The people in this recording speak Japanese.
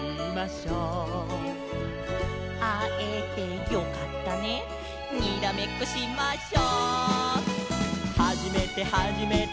「あえてよかったねにらめっこしましょ」「はじめてはじめて」